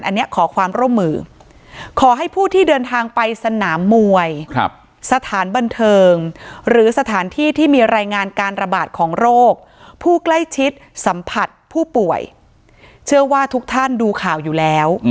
อันนี้ขอความร่วมมือขอให้ผู้ที่เดินทางไปสนามมวยสถานบันเทิงหรือสถานที่ที่มีรายงานการระบาดของโรคผู้ใกล้ชิดสัมผัสผู้ป่วยเชื่อว่าทุกท่านดูข่าวอยู่แล้ว